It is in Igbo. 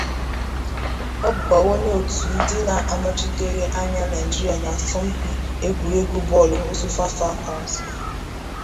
O bụkwa onye otu ndi na-anọchitere anya Naijiria na asọmpi egwuregwu bọọlụ bu Super Falcons.